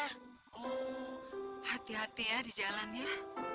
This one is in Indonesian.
oh hati hati ya di jalan ya